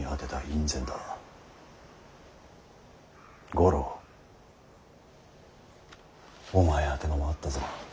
五郎お前宛てのもあったぞ。